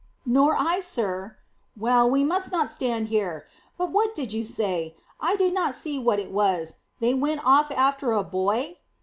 "Nor I, sir." "Well, we must not stand here. But what did you say? I did not see what it was; they went off after a boy?"